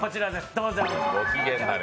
どうぞ。